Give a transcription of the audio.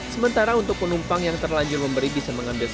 sementara untuk penumpang yang terlanjur memberi bisemengan deskripsi